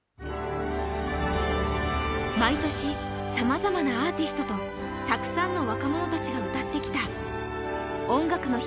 毎年、さまざまなアーティストとたくさんの若者たちが歌ってきた「音楽の日」